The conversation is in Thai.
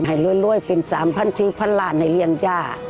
ให้รวยเป็น๓๐๐๐๔๐๐๐หลานให้เรียนย่า